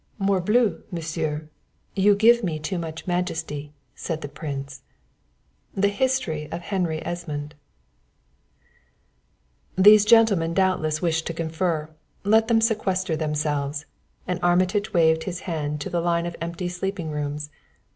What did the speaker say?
"Morbleu, Monsieur, you give me too much majesty," said the Prince. The History of Henry Esmond. "These gentlemen doubtless wish to confer let them sequester themselves!" and Armitage waved his hand to the line of empty sleeping rooms.